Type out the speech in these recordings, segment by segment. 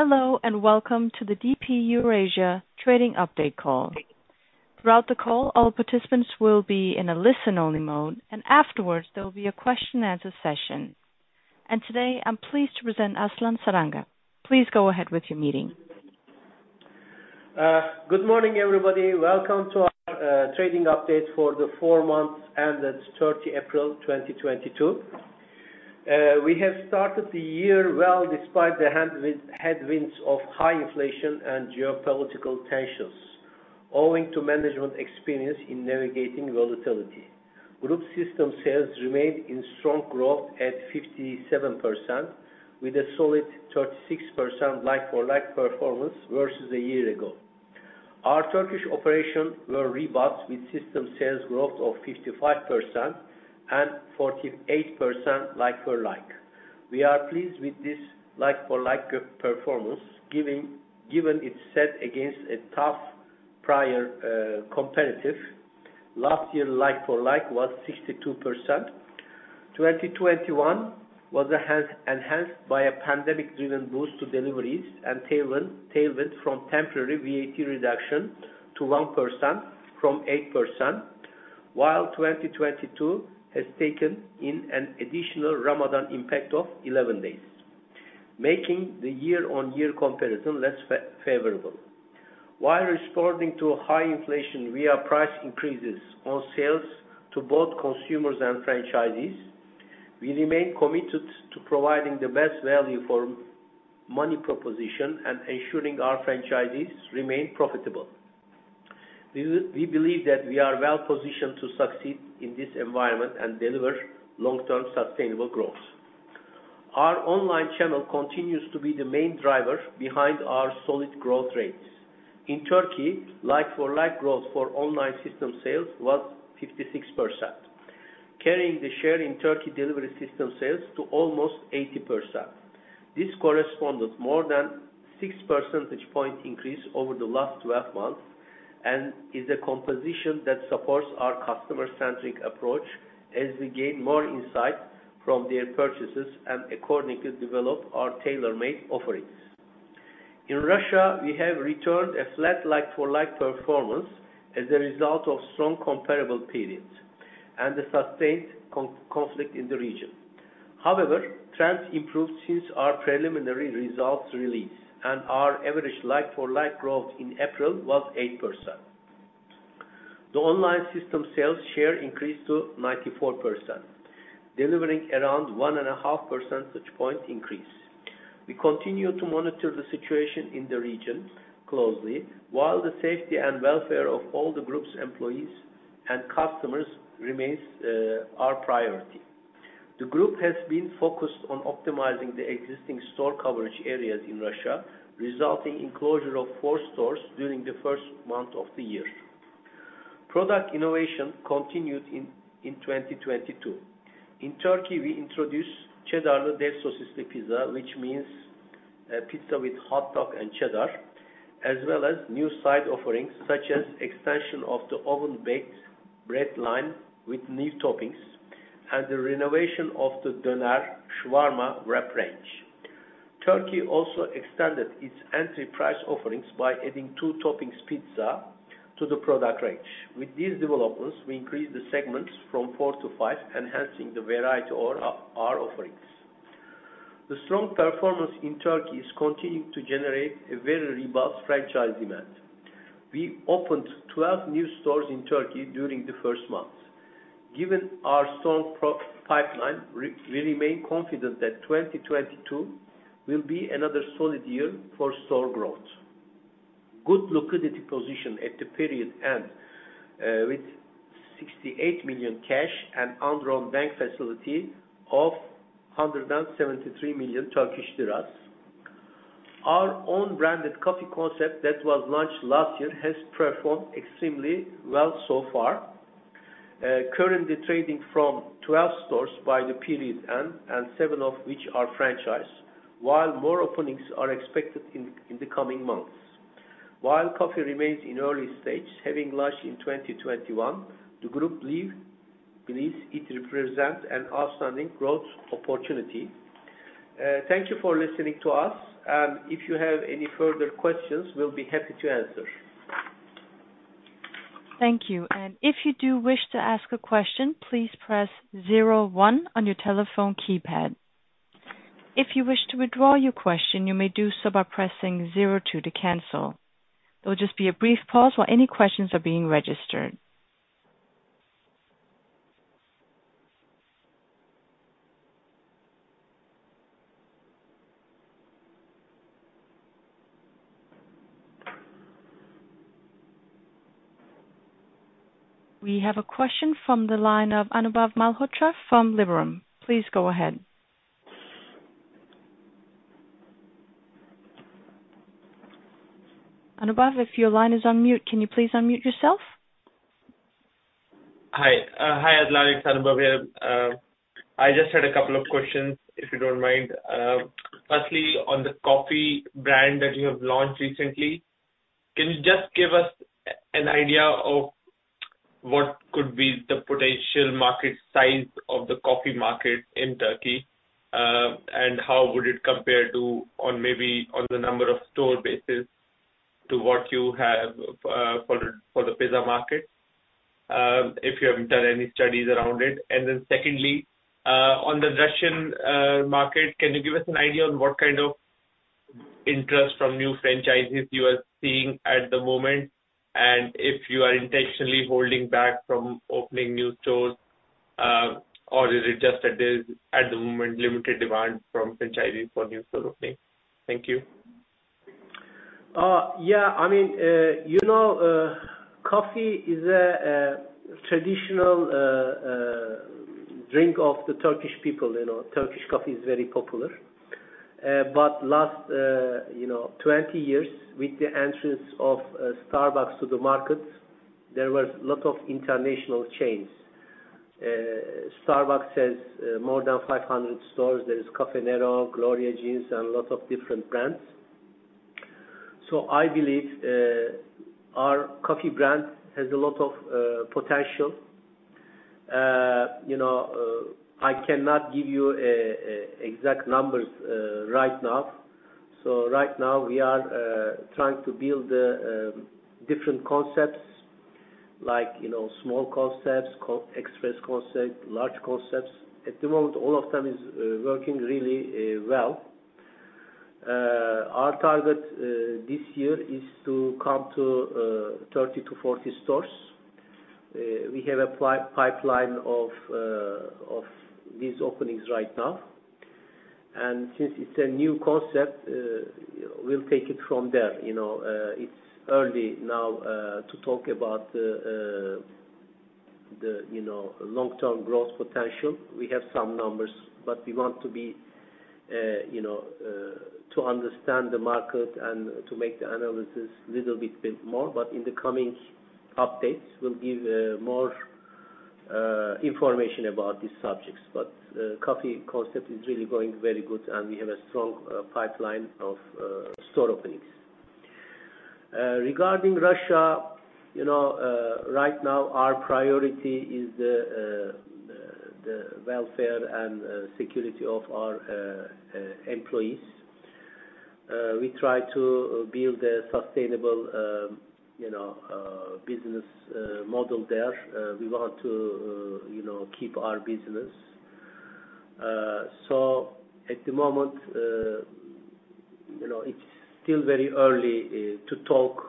Hello, and welcome to the DP Eurasia Trading Update call. Throughout the call, all participants will be in a listen-only mode, and afterwards, there will be a question and answer session. Today, I'm pleased to present Aslan Saranga. Please go ahead with your meeting. Good morning, everybody. Welcome to our trading update for the four months ended 30 April 2022. We have started the year well despite the headwinds of high inflation and geopolitical tensions owing to management experience in navigating volatility. Group system sales remained in strong growth at 57% with a solid 36% like-for-like performance versus a year ago. Our Turkish operations were robust with system sales growth of 55% and 48% like-for-like. We are pleased with this like-for-like performance given it's set against a tough prior comparative. Last year, like-for-like was 62%. 2021 was enhanced by a pandemic-driven boost to deliveries and tailwind from temporary VAT reduction to 1% from 8%, while 2022 has taken in an additional Ramadan impact of 11 days, making the year-on-year comparison less favorable. While responding to high inflation via price increases on sales to both consumers and franchisees, we remain committed to providing the best value-for-money proposition and ensuring our franchisees remain profitable. We believe that we are well-positioned to succeed in this environment and deliver long-term sustainable growth. Our online channel continues to be the main driver behind our solid growth rates. In Turkey, like-for-like growth for online system sales was 56%, carrying the share in Turkey delivery system sales to almost 80%. This corresponds with more than six percentage point increase over the last 12 months and is a composition that supports our customer-centric approach as we gain more insight from their purchases and accordingly develop our tailor-made offerings. In Russia, we have returned a flat like-for-like performance as a result of strong comparable periods and the sustained conflict in the region. However, trends improved since our preliminary results release, and our average like-for-like growth in April was 8%. The online system sales share increased to 94%, delivering around 1.5 percentage point increase. We continue to monitor the situation in the region closely while the safety and welfare of all the group's employees and customers remains our priority. The group has been focused on optimizing the existing store coverage areas in Russia, resulting in closure of 4 stores during the first month of the year. Product innovation continued in 2022. In Turkey, we introduced Cheddarlı Dev Sosisli pizza, which means pizza with hotdog and cheddar, as well as new side offerings such as extension of the oven-baked bread line with new toppings and the renovation of the Döner (shawarma) wrap range. Turkey also extended its entry price offerings by adding two topping pizzas to the product range. With these developments, we increased the segments from four to five, enhancing the variety of our offerings. The strong performance in Turkey is continuing to generate a very robust franchise demand. We opened 12 new stores in Turkey during the first month. Given our strong pipeline, we remain confident that 2022 will be another solid year for store growth. Good liquidity position at the period end, with 68 million cash and undrawn bank facility of 173 million Turkish liras. Our own branded coffee concept that was launched last year has performed extremely well so far. Currently trading from 12 stores by the period end and 7 of which are franchised, while more openings are expected in the coming months. While coffee remains in early stage, having launched in 2021, the group believes it represents an outstanding growth opportunity. Thank you for listening to us, and if you have any further questions, we'll be happy to answer. Thank you. If you do wish to ask a question, please press zero one on your telephone keypad. If you wish to withdraw your question, you may do so by pressing zero two to cancel. There will just be a brief pause while any questions are being registered. We have a question from the line of Anubhav Malhotra from Liberum. Please go ahead. Anubhav, if your line is on mute, can you please unmute yourself? Hi. Hi Aslan. It's Anubhav here. I just had a couple of questions, if you don't mind. First, on the coffee brand that you have launched recently, can you just give us an idea of what could be the potential market size of the coffee market in Turkey? And how would it compare to, on maybe the number of store basis to what you have, for the pizza market, if you have done any studies around it. Second, on the Russian market, can you give us an idea on what kind of interest from new franchises you are seeing at the moment? If you are intentionally holding back from opening new stores, or is it just that there's, at the moment, limited demand from franchisees for new store opening? Thank you. Yeah. I mean, you know, coffee is a traditional drink of the Turkish people. You know, Turkish coffee is very popular. Last 20 years with the entrance of Starbucks to the market, there was lot of international chains. Starbucks has more than 500 stores. There is Caffè Nero, Gloria Jean's, and lot of different brands. I believe our coffee brand has a lot of potential. You know, I cannot give you exact numbers right now. Right now we are trying to build the different concepts like, you know, small concepts, express concept, large concepts. At the moment, all of them is working really well. Our target this year is to come to 30-40 stores. We have a pipeline of these openings right now. Since it's a new concept, we'll take it from there. You know, it's early now to talk about the long-term growth potential. We have some numbers, but we want to be to understand the market and to make the analysis little bit more. In the coming updates, we'll give more information about these subjects. Coffee concept is really going very good, and we have a strong pipeline of store openings. Regarding Russia, you know, right now our priority is the welfare and security of our employees. We try to build a sustainable business model there. We want to, you know, keep our business. At the moment, you know, it's still very early to talk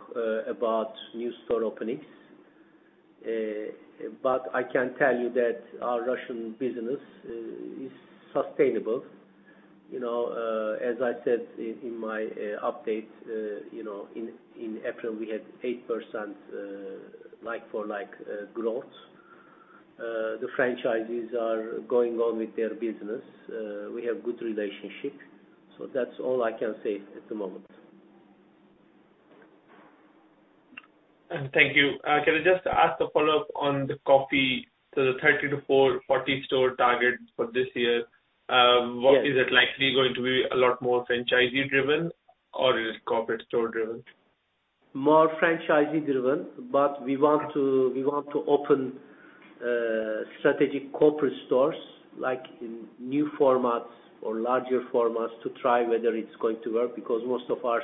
about new store openings. I can tell you that our Russian business is sustainable. You know, as I said in my update, you know, in April we had 8% like-for-like growth. The franchises are going on with their business. We have good relationship. That's all I can say at the moment. Thank you. Can I just ask a follow-up on the coffee? The 30-40 store target for this year- Yes. What is it likely going to be a lot more franchisee driven or is it corporate store driven? More franchisee driven, but we want to open strategic corporate stores like in new formats or larger formats to try whether it's going to work because most of our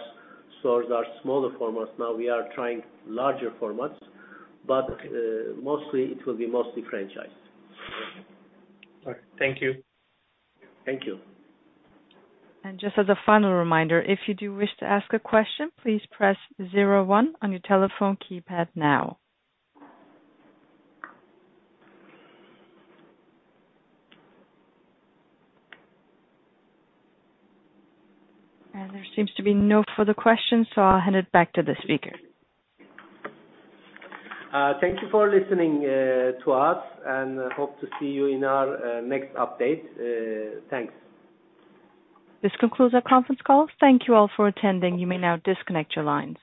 stores are smaller formats. Now we are trying larger formats. Mostly it will be mostly franchised. All right. Thank you. Thank you. Just as a final reminder, if you do wish to ask a question, please press zero one on your telephone keypad now. There seems to be no further questions, so I'll hand it back to the speaker. Thank you for listening to us, and hope to see you in our next update. Thanks. This concludes our conference call. Thank you all for attending. You may now disconnect your lines.